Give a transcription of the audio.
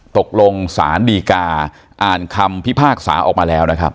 ตกลงสารดีกาอ่านคำพิพากษาออกมาแล้วนะครับ